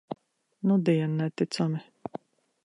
Nudien neticami.